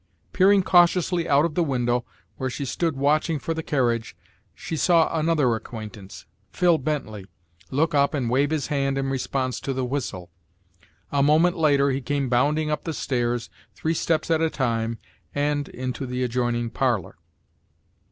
Peering cautiously out of the window where she stood watching for the carriage, she saw another acquaintance, Phil Bently, look up and wave his hand in response to the whistle. A moment later he came bounding up the stairs, three steps at a time, and into the adjoining parlour.